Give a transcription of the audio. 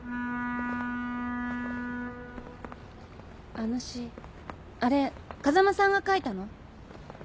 あの詩あれ風間さんが書いたの？